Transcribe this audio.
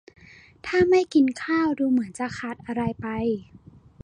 ถ้าไม่กินข้าวดูเหมือนจะขาดอะไรไป